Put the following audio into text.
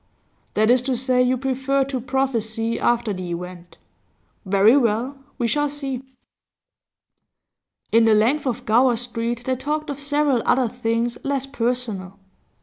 'That is to say, you prefer to prophesy after the event. Very well, we shall see.' In the length of Gower Street they talked of several other things less personal.